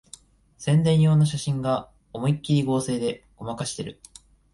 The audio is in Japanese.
宣伝用の写真が思いっきり合成でごまかしてる